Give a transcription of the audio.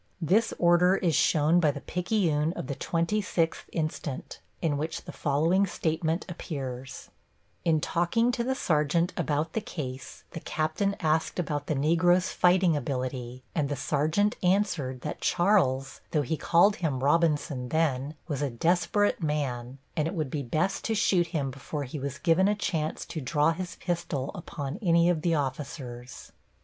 This order is shown by the Picayune of the twenty sixth inst., in which the following statement appears: In talking to the sergeant about the case, the captain asked about the Negro's fighting ability, and the sergeant answered that Charles, though he called him Robinson then, was a desperate man, and it would be best to shoot him before he was given a chance to draw his pistol upon any of the officers.